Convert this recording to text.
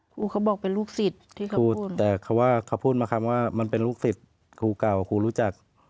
เขาบอกเป็นลูกศิษย์ที่เขาพูดแต่เขาว่าเขาพูดมาคำว่ามันเป็นลูกศิษย์ครูเก่าครูรู้จัก